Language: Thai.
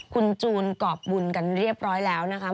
คุณจูนกรอบบุญกันเรียบร้อยแล้วนะคะ